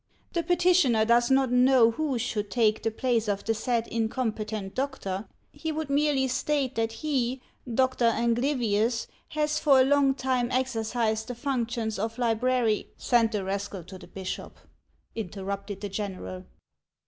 The petitioner does not know who should take the place of the said incompetent doctor ; he would merely state that he, Dr. Anglyvius, has for a long time exercised the functions of librnri —" ib HANS OF ICELAND. " Send the rascal to the bishop," interrupted the general.